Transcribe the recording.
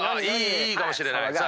いいかもしれない。